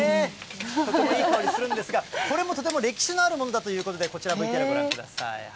とてもいい香りするんですが、これもとても歴史のあるものだということで、こちら、ＶＴＲご覧ください。